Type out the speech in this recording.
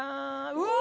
うわ。